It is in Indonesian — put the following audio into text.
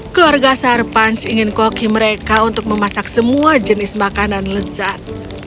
keluarga sarpans ingin koki mereka untuk memasak semua jenis makanan lezat